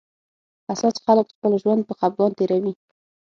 حساس خلک خپل ژوند په خپګان تېروي